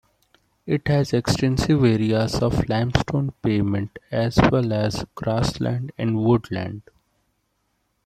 It has extensive areas of limestone pavement as well as grassland and woodland.